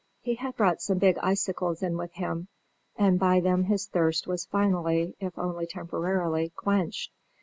He had brought some big icicles in with him, and by them his thirst was finally, if only temporarily, quenched.